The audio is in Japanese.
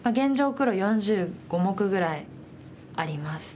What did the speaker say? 黒４５目ぐらいあります。